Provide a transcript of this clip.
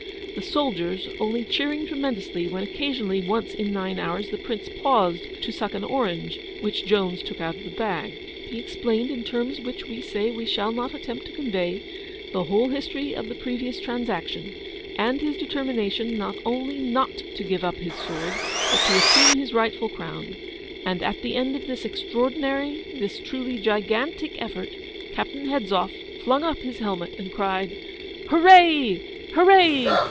The soldiers only cheering tremendously, when occasionally, once in nine hours, the Prince paused to suck an orange, which Jones took out of the bag. He explained, in terms which we say we shall not attempt to convey, the whole history of the previous transaction, and his determination not only not to give up his sword, but to assume his rightful crown; and at the end of this extraordinary, this truly GIGANTIC effort, Captain Hedzoff flung up his helmet, and cried, 'Hurray! Hurray!